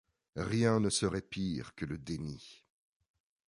Rien ne serait pire que le déni.